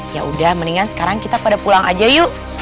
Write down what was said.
yaudah mendingan sekarang kita pada pulang aja yuk